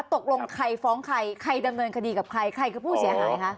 ตกลงใครฟ้องใครใครดำเนินคดีกับใครใครคือผู้เสียหายคะ